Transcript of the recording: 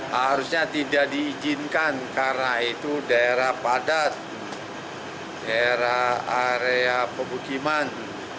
harusnya tidak diizinkan karena itu daerah padat daerah area pemukiman